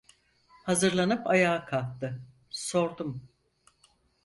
Hazırlanıp ayağa kalktı, sordum: